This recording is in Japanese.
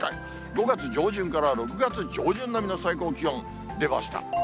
５月上旬から６月上旬並みの最高気温出ました。